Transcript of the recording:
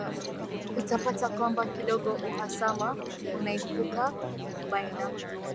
utapata kwamba kidogo uhasama unaipuka baina